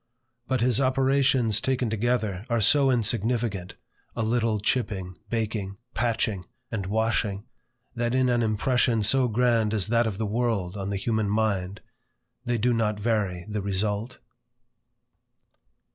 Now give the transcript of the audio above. But his operations taken together are so insignificant, a little chipping, baking, patching, and washing, that in an impression so grand as that of the world on the human mind, they do not vary the result.